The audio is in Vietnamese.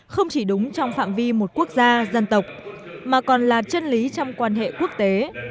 không chỉ đúng trong phạm vi một quốc gia dân tộc mà còn là chân lý trong quan hệ quốc tế